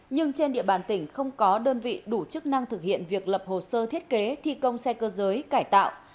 nhưng trên địa bàn tỉnh không có đơn vị đủ chức năng thực hiện việc lập hồ sơ thiết kế thi công xe cơ giới cải tạo